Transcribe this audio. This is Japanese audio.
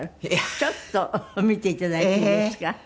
ちょっと見ていただいていいですか？